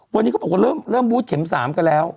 วันนี้เขาบอกว่าเริ่มบูธเข็ม๓กันแล้ว